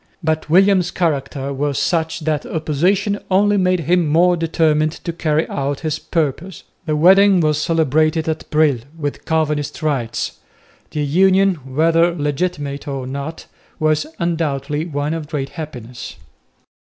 But William's character was such that opposition only made him more determined to carry out his purpose. The wedding was celebrated at Brill with Calvinist rites. The union, whether legitimate or not, was undoubtedly one of great happiness.